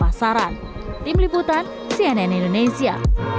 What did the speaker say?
pasaran tim liputan cnn indonesia